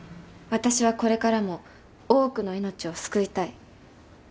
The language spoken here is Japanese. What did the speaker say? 私はこれからも多くの命を救いたい。